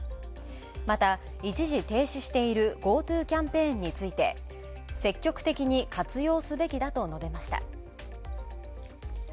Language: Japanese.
また、一時停止しているＧｏＴｏキャンペーンについて積極的に活用すべきだと述べました。